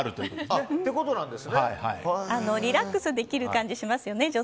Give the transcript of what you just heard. リラックスできる感じしますよね